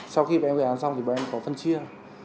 sau khi bọn em gây án xong thì bọn em có phân chia